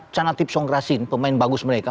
chanatip songkrasin pemain bagus mereka